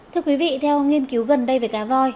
thưa quý vị theo nghiên cứu gần đây về cá voi